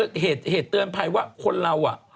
มันก็คือเหตุเตือนภายว่า